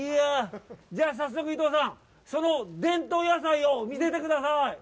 じゃあ、早速、伊藤さん、その伝統野菜を見せてください。